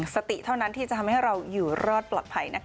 สติเท่านั้นที่จะทำให้เราอยู่รอดปลอดภัยนะคะ